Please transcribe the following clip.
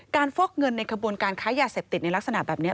ฟอกเงินในขบวนการค้ายาเสพติดในลักษณะแบบนี้